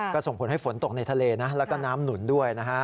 ก็ส่งผลให้ฝนตกในทะเลนะแล้วก็น้ำหนุนด้วยนะฮะ